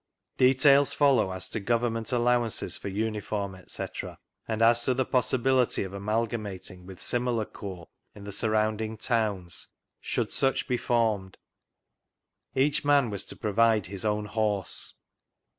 Details follow as to Govenuneat allowances for uniform, etc., and as to the possibility of amalgamating with similar corps in the surrounding towns, should such be formed. Each man was to provide his own horse.